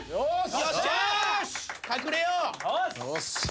よっしゃ！